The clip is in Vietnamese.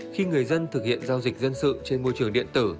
khi người dân thực hiện giao dịch dân sự trên môi trường điện tử